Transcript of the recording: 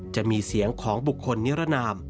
จะมีเสียงของเขา